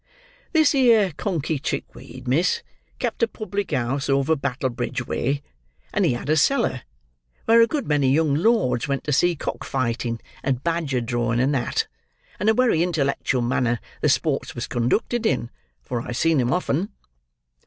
This here Conkey Chickweed, miss, kept a public house over Battlebridge way, and he had a cellar, where a good many young lords went to see cock fighting, and badger drawing, and that; and a wery intellectual manner the sports was conducted in, for I've seen 'em off'en.